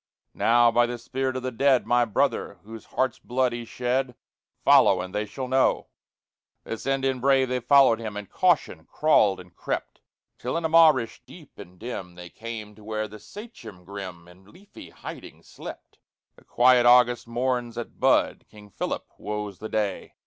Now, by the spirit of the dead, My brother, whose heart's blood he shed, Follow, and they shall know!_ This Indian brave, they followed him; In caution crawled and crept; Till in a marish deep and dim They came to where the Sachem grim In leafy hiding slept. (The quiet August morn's at bud, King Philip, woe's the day!